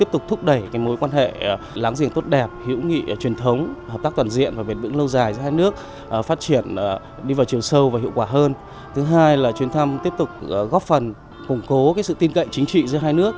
thứ hai là chuyến thăm tiếp tục góp phần củng cố sự tin cậy chính trị giữa hai nước